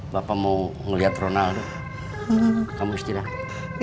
bapak mau ngeliat ronald kamu istirahat